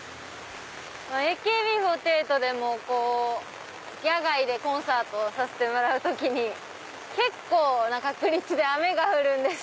ＡＫＢ４８でも野外でコンサートさせてもらう時に結構な確率で雨が降るんです。